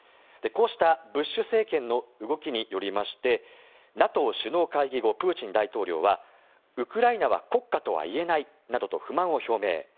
こうしたブッシュ政権の動きによりましてＮＡＴＯ首脳会議後プーチン大統領はウクライナは国家とは言えないなどと不満を表明。